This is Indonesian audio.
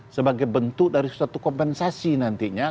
sebagai bentuk dari suatu kompensasi nantinya